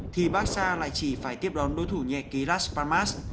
thì barca lại chỉ phải tiếp đón đối thủ nhẹ ký la spalmast